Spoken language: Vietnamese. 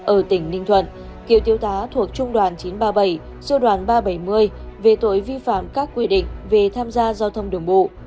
ở tỉnh ninh thuận cựu thiếu tá thuộc trung đoàn chín trăm ba mươi bảy sư đoàn ba trăm bảy mươi về tội vi phạm các quy định về tham gia giao thông đường bộ